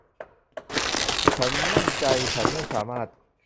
ฉันมั่นใจฉันไม่สามารถ